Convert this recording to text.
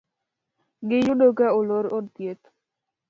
Gi yudo ka olor od thieth